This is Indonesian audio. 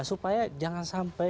supaya jangan sampai